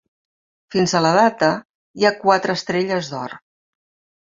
Fins a la data, hi ha quatre estrelles d'or.